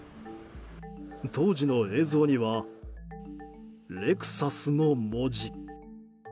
当時の映像には「レクサス」の文字。